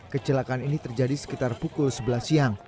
kecelakaan ini terjadi sekitar pukul sebelas siang